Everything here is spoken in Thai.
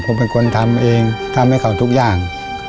ผมเป็นคนทำเองทำให้เขาทุกอย่าง